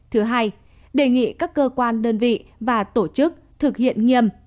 thứ hai đề nghị các cơ quan đơn vị và tổ chức thực hiện nghiêm